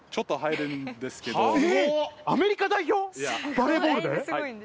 バレーボールで？